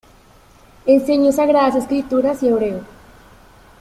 Enseñó Sagradas Escrituras y hebreo.